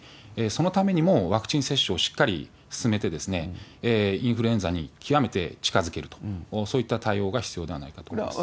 そのためにもワクチン接種をしっかり進めて、インフルエンザに極めて近づけると、そういった対応が必要ではないかと思います。